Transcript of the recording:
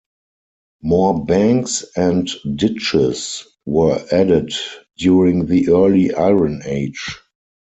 More banks and ditches were added during the early Iron Age.